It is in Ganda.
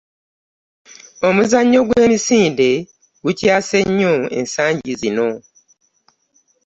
Omuzannyo gw'emisinde gukyase nnyo ensangi zino.